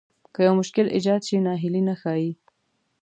که يو مشکل ايجاد شي ناهيلي نه ښايي.